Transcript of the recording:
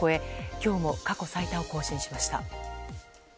今日も過去最多を更新しました。